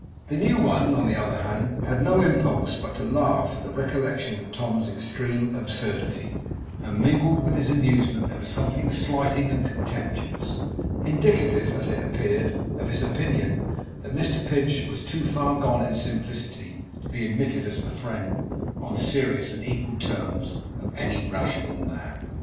The new one, on the other hand, had no impulse but to laugh at the recollection of Tom's extreme absurdity; and mingled with his amusement there was something slighting and contemptuous, indicative, as it appeared, of his opinion that Mr Pinch was much too far gone in simplicity to be admitted as the friend, on serious and equal terms, of any rational man.